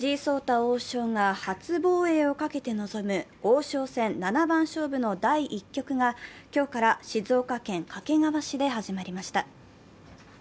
王将が初防衛をかけて臨む王将戦七番勝負の第１局が今日から静岡県掛川市で始まりました。